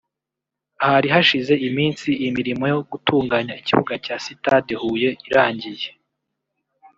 Hari hashize iminsi imirimo yo gutunganya ikibuga cya sitade Huye irangiye